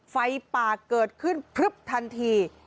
ไฟป่าเกิดขึ้นทันที